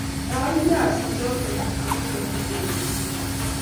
kaal viasik choto agomamiten kijiket